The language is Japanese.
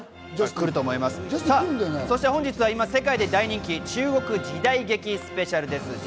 そして本日は、今、世界で大人気、中国時代劇スペシャルです。